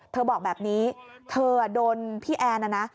บอกแบบนี้เธอโดนพี่แอนนะนะ